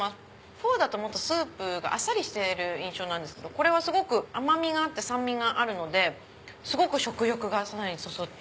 フォーだとスープがあっさりしてる印象ですけどこれ甘味があって酸味があるので食欲をさらにそそって。